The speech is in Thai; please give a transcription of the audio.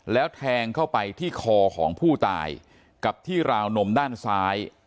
แล้วแทงเข้าไปที่คอของผู้ตายกับที่ราวนมด้านซ้าย